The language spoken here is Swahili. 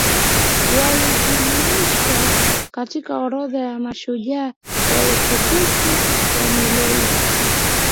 walijumuishwa katika orodha ya mashujaa wa utukufu wa milele